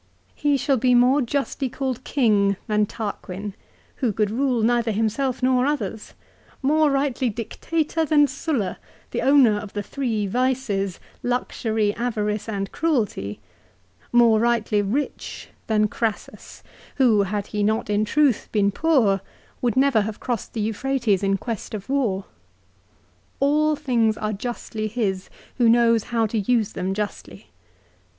He shall be more justly called king than Tarquin, who could rule neither himself nor others ; more rightly Dictator than Sulla, the owner of the three vices, luxury, avarice, and cruelty ; more rightly rich than Crassus, who, had he not in truth been poor, would never have crossed the Euphrates in quest of war. All things are justly his who knows how to use them justly.